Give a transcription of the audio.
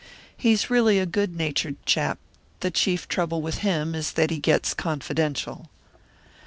He's really a good natured chap; the chief trouble with him is that he gets confidential."